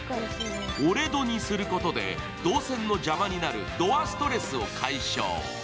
折れ戸にすることで、動線の邪魔になるドアストレスを解消。